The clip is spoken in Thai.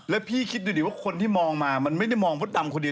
แล้วพี่คิดดูดิว่าคนที่มองมามันไม่ได้มองมดดำคนเดียว